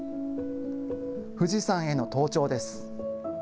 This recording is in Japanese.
富士山への登頂です。